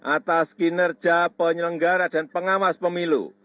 atas kinerja penyelenggara dan pengawas pemilu